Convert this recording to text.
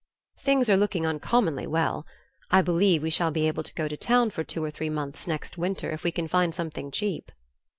"Things are looking uncommonly well. I believe we shall be able to go to town for two or three months next winter if we can find something cheap."